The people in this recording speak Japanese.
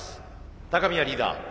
高宮リーダー